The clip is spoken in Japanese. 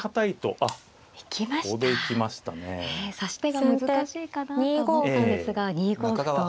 指し手が難しいかなと思ったんですが２五歩と。